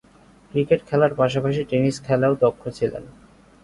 Cricket খেলার পাশাপাশি tennis খেলায়ও দক্ষ ছিলেন।